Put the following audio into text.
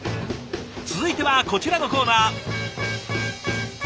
続いてはこちらのコーナー。